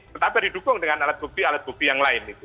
tetapi didukung dengan alat bukti alat bukti yang lain